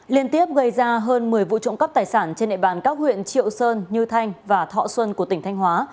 liên tiếp gây ra hơn một mươi vụ trộm cắp tài sản trên địa bàn các huyện triệu sơn như thanh và thọ xuân của tỉnh thanh hóa